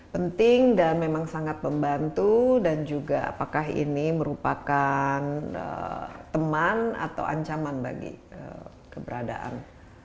penting dan memang sangat membantu dan juga apakah ini merupakan teman atau ancaman bagi keberadaan